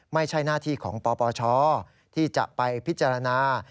ไม่ใช่หน้าที่ของปปชที่จะไปพิจารณา